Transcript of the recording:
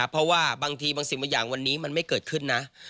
เพราะว่าบางทีบางสิ่งบางอย่างวันนี้มันไม่เกิดขึ้นนะ